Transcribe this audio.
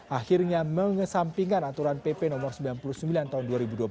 akhirnya mengesampingkan aturan pp no sembilan puluh sembilan tahun dua ribu dua puluh